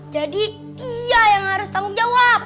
jadi dia yang harus tanggung jawab